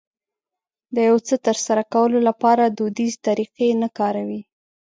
د يو څه ترسره کولو لپاره دوديزې طريقې نه کاروي.